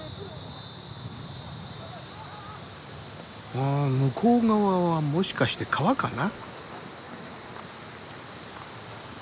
ああ向こう側はもしかして川かな。